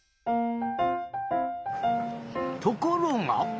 ところが。